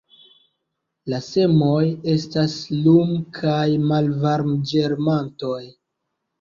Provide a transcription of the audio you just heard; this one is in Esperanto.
La semoj estas lum- kaj malvarm-ĝermantoj.